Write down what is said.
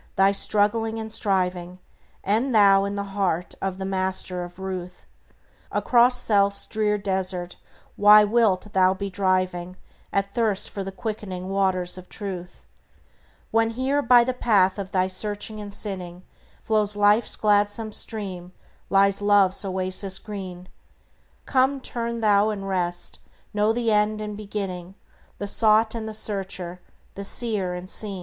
thy struggling and striving End thou in the heart of the Master of ruth; Across self's drear desert why wilt thou be driving, Athirst for the quickening waters of Truth When here, by the path of thy searching and sinning, Flows Life's gladsome stream, lies Love's oasis green? Come, turn thou and rest; know the end and beginning, The sought and the searcher, the seer and seen.